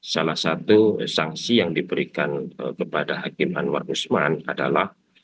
salah satu sanksi yang diberikan kepada hakim anwar usman adalah